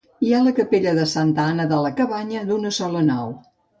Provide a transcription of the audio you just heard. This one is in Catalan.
Hi ha la capella de Santa Anna de la Cabanya, d'una sola nau.